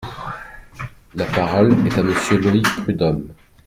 La parole est à Monsieur Loïc Prud’homme.